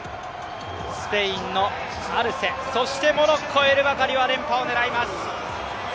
スペインのアルセ、そしてモロッコ、エルバカリは連覇を狙います。